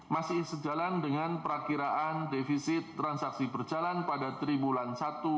masih sejalan dengan perkiraan defisit transaksi berjalan pada tribulan satu dua ribu enam belas